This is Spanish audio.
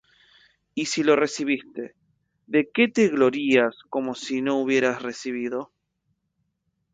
Y si lo recibiste, ¿de qué te glorías como si no hubieras recibido?